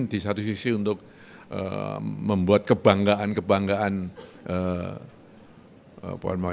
di satu sisi untuk membuat kebanggaan kebanggaan pohon